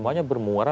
bukan satu hari